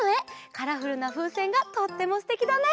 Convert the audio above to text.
カラフルなふうせんがとってもすてきだね。